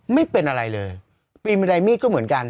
ไม่เป็นอะไรเลยปีนบันไดมีดก็เหมือนกัน